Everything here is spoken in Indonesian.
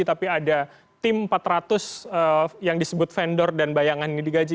tapi ada tim empat ratus yang disebut vendor dan bayangan ini digaji